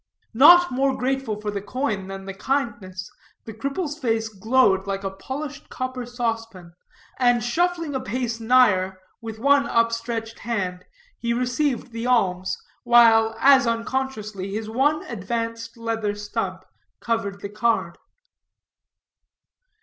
Not more grateful for the coin than the kindness, the cripple's face glowed like a polished copper saucepan, and shuffling a pace nigher, with one upstretched hand he received the alms, while, as unconsciously, his one advanced leather stump covered the card.